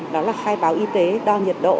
đó là khai báo y tế đo nhiệt độ